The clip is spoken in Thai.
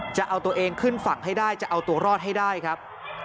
จะเอาตัวเองขึ้นฝั่งให้ได้จะเอาตัวรอดให้ได้ครับ